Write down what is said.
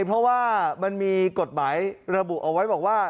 เพราะว่ามันมีกฎหมายระบุเอาไว้บอกว่า